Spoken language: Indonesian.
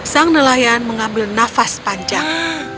sang nelayan mengambil nafas panjang